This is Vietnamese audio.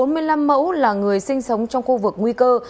bốn mươi năm mẫu là người sinh sống trong khu vực nguy cơ